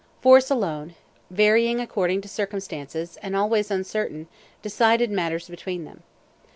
Force alone, varying according to circumstances and always uncertain decided matters between them.